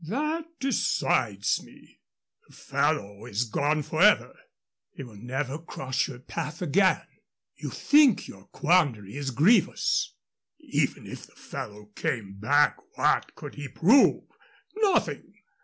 "That decides me. The fellow is gone forever. He will never cross your path again. You think your quandary is grievous. Even if the fellow came back, what could he prove? Nothing.